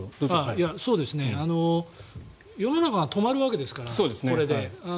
世の中が止まるわけですから、これで。